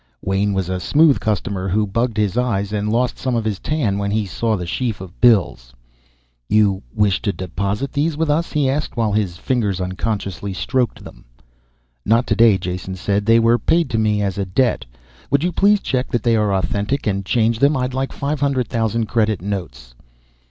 Wain was a smooth customer who bugged his eyes and lost some of his tan when he saw the sheaf of bills. "You ... wish to deposit these with us?" he asked while his fingers unconsciously stroked them. "Not today," Jason said. "They were paid to me as a debt. Would you please check that they are authentic and change them? I'd like five hundred thousand credit notes."